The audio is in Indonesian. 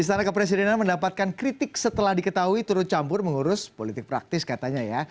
istana kepresidenan mendapatkan kritik setelah diketahui turut campur mengurus politik praktis katanya ya